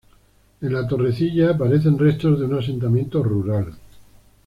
En La Torrecilla aparecen restos de un asentamiento rural.